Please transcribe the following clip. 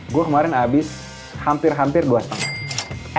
gue kemarin habis hampir hampir dua setengah